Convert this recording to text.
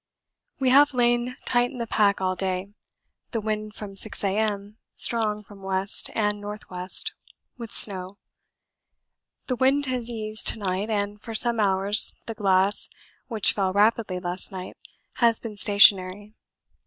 We have lain tight in the pack all day; the wind from 6 A.M. strong from W. and N.W., with snow; the wind has eased to night, and for some hours the glass, which fell rapidly last night, has been stationary.